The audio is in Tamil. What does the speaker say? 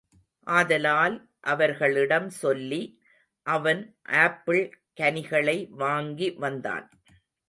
ஆதலால், அவர்களிடம் சொல்லி, அவன் ஆப்பிள் கனிகளை வாங்கி வந்தான்.